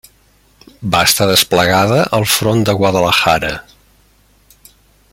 Va estar desplegada al front de Guadalajara.